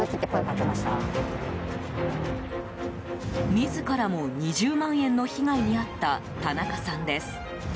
自らも２０万円の被害に遭った田中さんです。